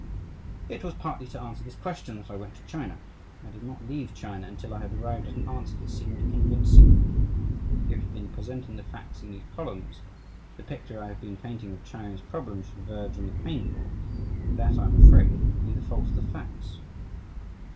It was partly to answer this question that I went to China. I did not leave China until I had arrived at an answer that seemed convincing. If, in presenting the facts in these columns, the picture I have been painting of China's problem should verge on the painful, that, I am afraid, will be the fault of the facts.